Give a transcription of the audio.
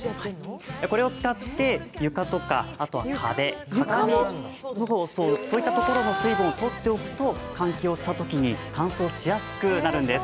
これを使って床とか壁、畳などの水分をとっておくと、換気したときに乾燥しやすくなるんです。